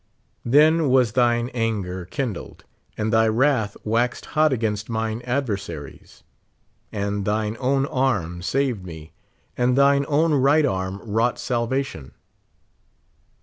Then was thine anger kindled, and thy wrath waxed hot against mine adversaries, and thine own arm saved me, and thine own right arm wrought salvation.